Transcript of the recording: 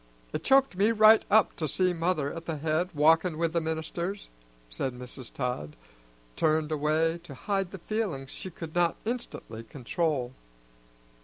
It choked me right up to see mother at the head, walkin' with the ministers," and Mrs. Todd turned away to hide the feelings she could not instantly control.